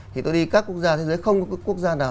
thì tôi đi các quốc gia thế giới không có quốc gia nào